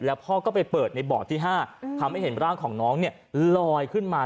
พ่อก็ไปเปิดในบ่อที่๕ทำให้เห็นร่างของน้องเนี่ยลอยขึ้นมา